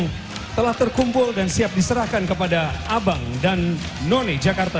ini telah terkumpulkan oleh pemerintah jakarta dan juga pemerintah indonesia dan juga pemerintah